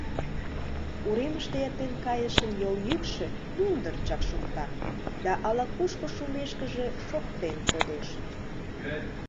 Уремыште эртен кайышын йол йӱкшӧ мӱндырчак шокта да ала-кушко шумешкыже шоктен кодеш.